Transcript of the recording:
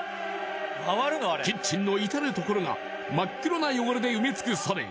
キッチンの至る所が真っ黒な汚れで埋め尽くされ